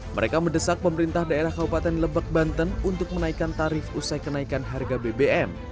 mereka mendesak pemerintah daerah kabupaten lebak banten untuk menaikkan tarif usai kenaikan harga bbm